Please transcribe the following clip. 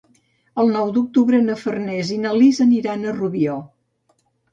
El nou d'octubre na Farners i na Lis aniran a Rubió.